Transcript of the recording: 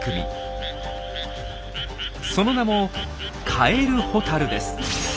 その名も「カエルホタル」です。